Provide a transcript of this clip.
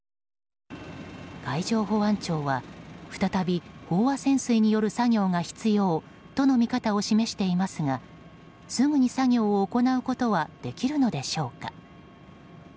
海上保安庁は再び飽和潜水による作業が必要との見方を示していますがすぐに作業を行うことはできるのでしょうか。